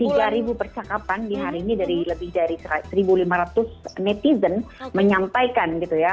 ada tiga percakapan di hari ini dari lebih dari satu lima ratus netizen menyampaikan gitu ya